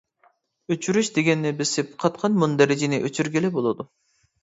«ئۆچۈرۈش» دېگەننى بېسىپ قاتقان مۇندەرىجىنى ئۆچۈرگىلى بولىدۇ.